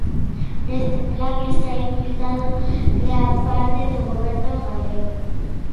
Neste plan está implicado gran parte do Goberno galego.